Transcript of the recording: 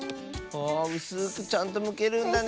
あうすくちゃんとむけるんだね。